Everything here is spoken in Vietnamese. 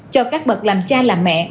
cho các bậc làm cha làm mẹ